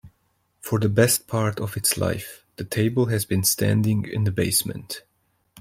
For the best part of its life, the table has been standing in the basement.